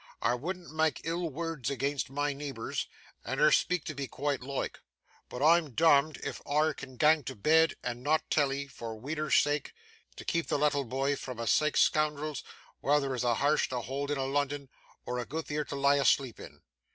Ar wouldn't mak' ill words amang my neeburs, and ar speak tiv'ee quiet loike. But I'm dom'd if ar can gang to bed and not tellee, for weedur's sak', to keep the lattle boy from a' sike scoondrels while there's a harse to hoold in a' Lunnun, or a gootther to lie asleep in!"